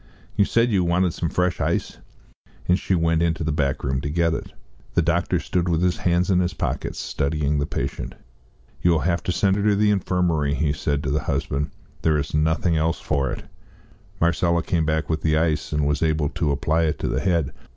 You said you wanted some fresh ice." And she went into the back room to get it. The doctor stood with his hands in his pockets, studying the patient. "You will have to send her to the infirmary," he said to the husband; "there is nothing else for it." Marcella came back with the ice, and was able to apply it to the head.